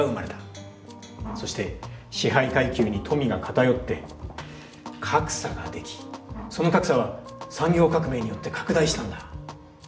そして支配階級に「富」が偏って「格差」ができその「格差」は産業革命によって拡大したんだ。